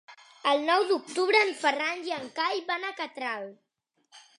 El nou d'octubre en Ferran i en Cai van a Catral.